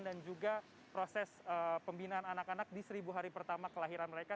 dan juga proses pembinaan anak anak di seribu hari pertama kelahiran mereka